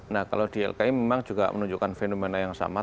nah kalau di lki memang juga menunjukkan fenomena yang sama